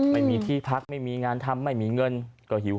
ไม่ไหวแล้ว